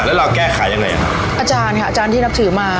แล้วเราแก้ไขยังไงครับอาจารย์ค่ะอาจารย์ที่นับถือมา